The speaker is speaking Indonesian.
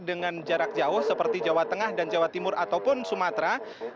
dengan jarak jauh seperti jawa tengah dan jawa timur ataupun sumatera